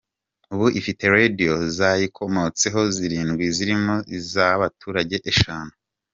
Ubu ifite Radio zayikomotseho zirindwi zirimo iz’abaturage eshanu.